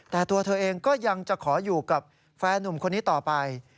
แต่ตัวเธอเองก็ยังจะขออยู่กับแฟนนุ่มคนนี้ต่อไป